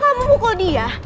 kalau kamu mukul dia